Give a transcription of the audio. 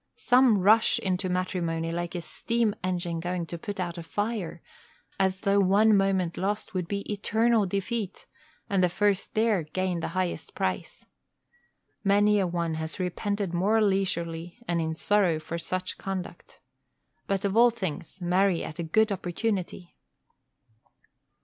_ Some rush into matrimony like a steam engine going to put out a fire, as though one moment lost would be eternal defeat, and the first there gain the highest prize. Many a one has repented more leisurely and in sorrow for such conduct. But of all things, marry at a good opportunity.